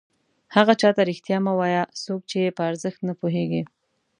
هغه چاته رښتیا مه وایه څوک چې یې په ارزښت نه پوهېږي.